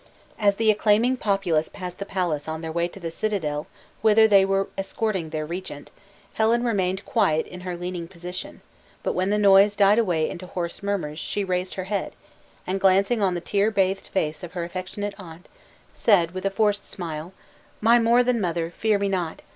As the acclaiming populace passed the palace on their way to the citadel, whither they were escorting their regent, Helen remained quiet in her leaning position; but when the noise died away into hoarse murmurs, she raised her head, and glancing on the tear bathed face of her affectionate aunt, said, with a forced smile, "My more than mother, fear me not!